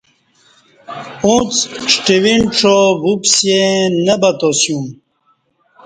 اُݩڅ ݜٹوینڄا وُپسےنہ بتاسیوم